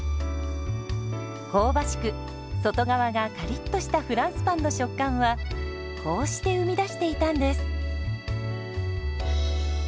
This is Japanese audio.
香ばしく外側がカリッとしたフランスパンの食感はこうして生み出していたんです。